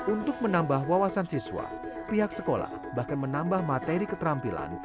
untuk menambah wawasan siswa pihak sekolah bahkan menambah materi keterampilan